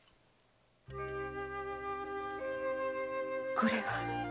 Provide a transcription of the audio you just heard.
これは。